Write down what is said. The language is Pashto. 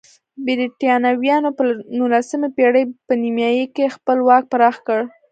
برېټانویانو په نولسمې پېړۍ په نیمایي کې خپل واک پراخ کړ.